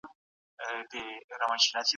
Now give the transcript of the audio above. وکړه او وروسته ئې دا امانت خپلو اولادو ته